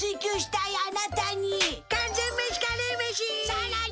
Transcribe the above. さらに！